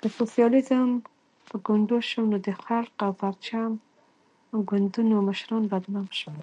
که سوسیالیزم په ګونډو شو، نو د خلق او پرچم ګوندونو مشران بدنام شول.